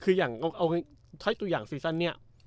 คืออย่างเอาไงถ้าให้ตัวอย่างซีสันเนี่ย